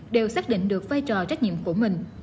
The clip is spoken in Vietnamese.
đều xác định được vai trò trách nhiệm của mình